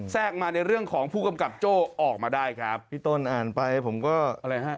แทรกมาในเรื่องของผู้กำกับโจ้ออกมาได้ครับพี่ต้นอ่านไปผมก็อะไรฮะ